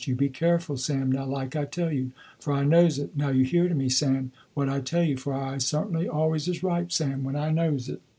You be careful, Sam now, like I tell you, for I knows it, now you hear to me, Sam, what I tell you, for I certainly always is right, Sam, when I knows it."